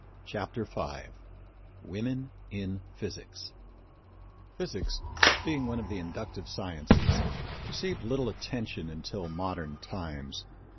CHAPTER V WOMEN IN PHYSICS Physics, being one of the inductive sciences, received little attention until modern times.